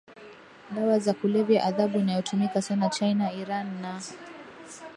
dawa za kulevya adhabu inayotumika sana China Iran na